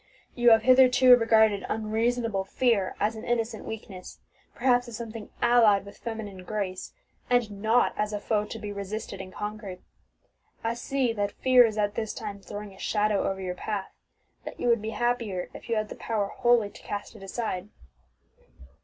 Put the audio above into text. "You have hitherto regarded unreasonable fear as an innocent weakness, perhaps as something allied with feminine grace, and not as a foe to be resisted and conquered. I see that fear is at this time throwing a shadow over your path; that you would be happier if you had the power wholly to cast it aside."